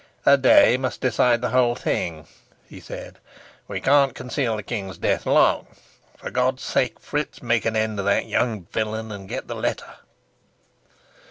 "A day must decide the whole thing," he said. "We can't conceal the king's death long. For God's sake, Fritz, make an end of that young villain, and get the letter."